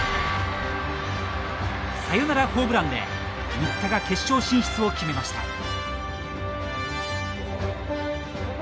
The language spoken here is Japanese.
サヨナラホームランで新田が決勝進出を決めました。